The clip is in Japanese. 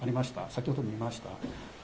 先ほど見ました。